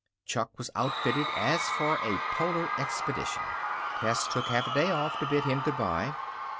Chuck was outfitted as for a polar expedition. Tess took half a day off to bid him good by.